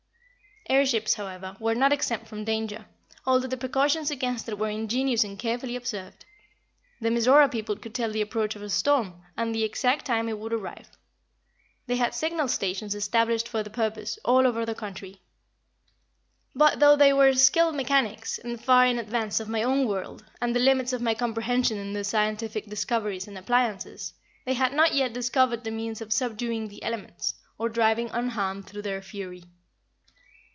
Air ships, however, were not exempt from danger, although the precautions against it were ingenious and carefully observed. The Mizora people could tell the approach of a storm, and the exact time it would arrive. They had signal stations established for the purpose, all over the country. But, though they were skilled mechanics, and far in advance of my own world, and the limits of my comprehension in their scientific discoveries and appliances, they had not yet discovered the means of subduing the elements, or driving unharmed through their fury.